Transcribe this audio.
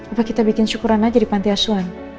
apa kita bikin syukuran aja di panti asuhan